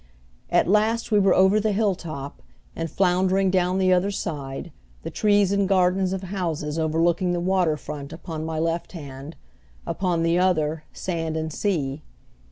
At last we were over the hilltop, and floundering down the other side, the trees and gardens of houses overlooking the water front upon my left hand, upon the other, sand and sea.